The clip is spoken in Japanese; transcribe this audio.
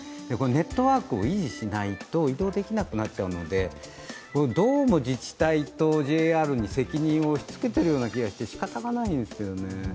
ネットワークを維持しないと移動できなくなっちゃうのでどうも自治体とＪＲに責任を押しつけているような気がしてしかたがないんですけどね。